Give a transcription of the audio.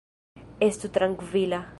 Estu trankvila.